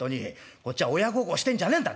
こっちは親孝行してんじゃねえんだ。